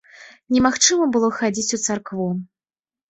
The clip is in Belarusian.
Немагчыма было хадзіць у царкву.